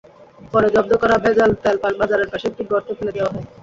পরে জব্দ করা ভেজাল তেল বাজারের পাশে একটি গর্তে ফেলে দেওয়া হয়।